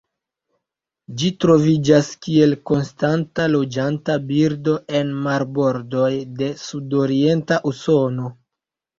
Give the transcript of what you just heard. Ĝi troviĝas kiel konstanta loĝanta birdo en marbordoj de sudorienta Usono.